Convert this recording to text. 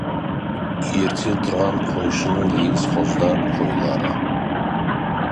Ерте тұрған қойшының егіз қоздар қойлары.